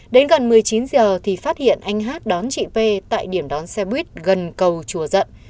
đến gần một mươi chín h thì phát hiện anh hát đón chị pê tại điểm đón xe buýt gần cầu chùa dận